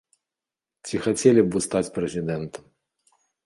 Ці хацелі б вы стаць прэзідэнтам?